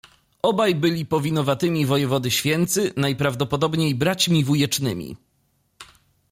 Obaj byli powinowatymi wojewody Święcy, najprawdopodobniej braćmi wujecznymi.